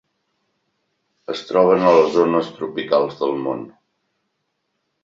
Es troben a les zones tropicals del món.